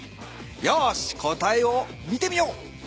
よーし答えを見てみよう。